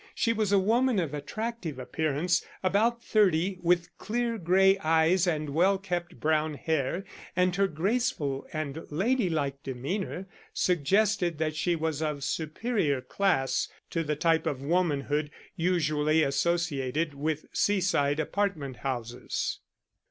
She was a woman of attractive appearance, about thirty, with clear grey eyes and well kept brown hair, and her graceful and ladylike demeanour suggested that she was of superior class to the type of womanhood usually associated with seaside apartment houses.